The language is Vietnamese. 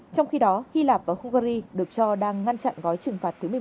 trong khi đó hy lạp và hungary được cho đang ngăn chặn gói trừng phạt thứ một mươi một